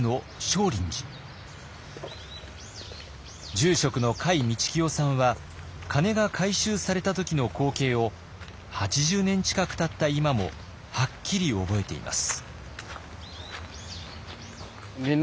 住職の甲斐道清さんは鐘が回収された時の光景を８０年近くたった今もはっきり覚えています。